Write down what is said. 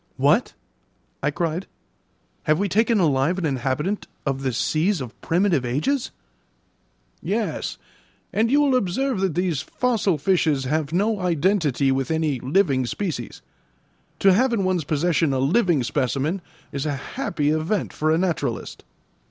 "What!" I cried. "Have we taken alive an inhabitant of the seas of primitive ages?" "Yes; and you will observe that these fossil fishes have no identity with any living species. To have in one's possession a living specimen is a happy event for a naturalist."